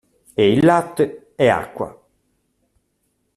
E il latte è acqua.